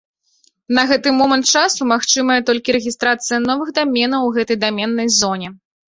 На гэты момант часу магчымая толькі рэгістрацыя новых даменаў у гэтай даменнай зоне.